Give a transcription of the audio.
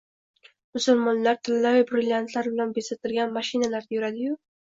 musulmonlar tillo-yu brilliantlar bilan bezatilgan mashinalarda yuradi-yu